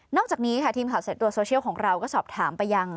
จากนี้ค่ะทีมข่าวเสร็จตัวโซเชียลของเราก็สอบถามไปยัง